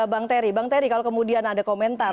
bang terry bang terry kalau kemudian ada komentar